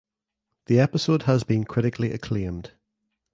The episode has been critically acclaimed.